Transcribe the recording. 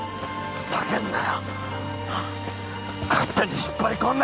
ふざけんなよ